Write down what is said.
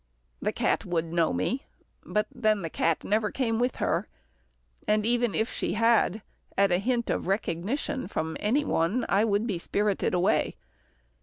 The cat would know me, but then the cat never came with her, and even if she had, at a hint of recognition from any one, I would be spirited away.